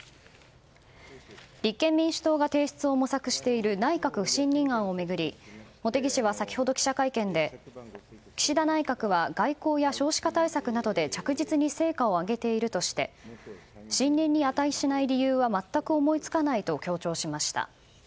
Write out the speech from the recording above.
立憲民主党が提出を模索している内閣不信任案を巡り茂木氏は先ほど、記者会見で岸田内閣は外交や少子化対策などで着実に成果を上げているとして信任に値しない理由は全く思いつかないと強調しました。